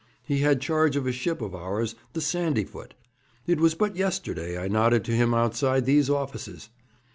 He had charge of a ship of ours, the Sandyfoot. It was but yesterday I nodded to him outside these offices.